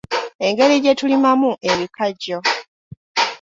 Engeri gye tulimamu ebikajjo.